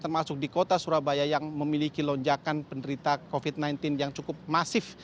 termasuk di kota surabaya yang memiliki lonjakan penderita covid sembilan belas yang cukup masif